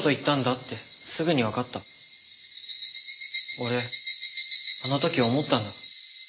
俺あの時思ったんだ。